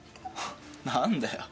何だよ？